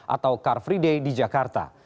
atau car free day di jakarta